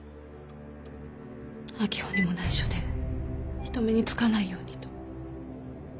秋穂にもないしょで人目につかないようにと。